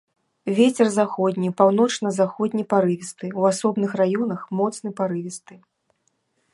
Вецер заходні, паўночна-заходні парывісты, у асобных раёнах моцны парывісты.